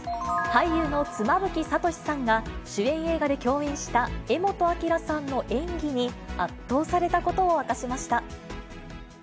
俳優の妻夫木聡さんが、主演映画で共演した柄本明さんの演技に圧倒されたことを明かしました。